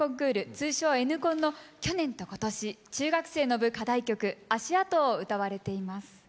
通称「Ｎコン」の去年と今年の中学生の部・課題曲「足跡」を歌われています。